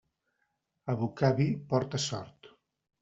Abocar vi porta sort.